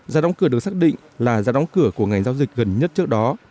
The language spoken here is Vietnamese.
giá đóng cửa được xác định là giá đóng cửa của ngày giao dịch gần nhất trước đó